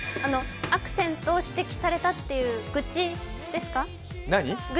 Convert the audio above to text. アクセントを指摘されたっていう愚痴ですか？